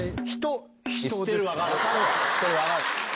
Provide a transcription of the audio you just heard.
それは分かる。